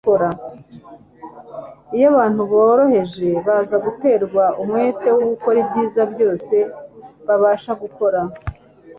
Iyo abantu boroheje baza guterwa umwete wo gukora ibyiza byose babasha gukora,